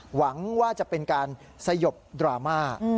หวังว่าจะเป็นการสยบดราม่า